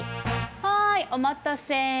はいお待たせ！